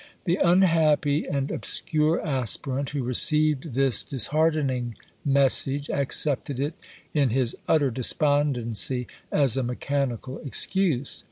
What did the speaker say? The unhappy and obscure aspirant, who received this disheartening message, accepted it, in his utter despondency, as a mechanical excuse.